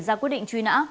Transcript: ra quyết định truy nã